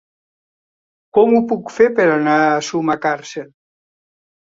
Com ho puc fer per anar a Sumacàrcer?